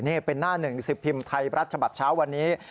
นี่เป็นหน้าหนึ่งสิบพิมพ์ไทยรัฐฉบับเช้าวันนี้